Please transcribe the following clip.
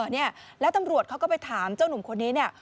นี่แล้วตำรวจเขาก็ไปถามเจ้านุ่มคนนี้